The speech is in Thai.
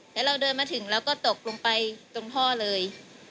แล้วเราเดินมาถึงเราก็ตกลงไปตรงท่อเลย